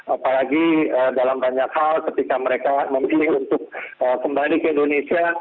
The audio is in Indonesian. apalagi dalam banyak hal ketika mereka memilih untuk kembali ke indonesia